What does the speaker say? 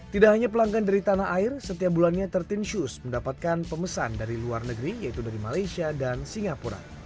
tidak hanya pelanggan dari tanah air setiap bulannya tiga belas shoes mendapatkan pemesan dari luar negeri yaitu dari malaysia dan singapura